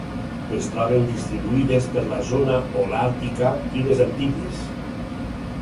Es troben distribuïdes per la zona holàrtica i les Antilles.